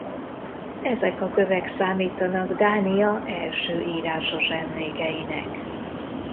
Ezek a kövek számítanak Dánia első írásos emlékeinek.